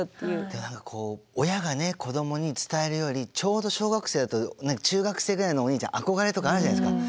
でも何かこう親が子どもに伝えるよりちょうど小学生だと中学生ぐらいのおにいちゃん憧れとかあるじゃないですか。